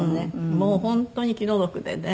もう本当に気の毒でね。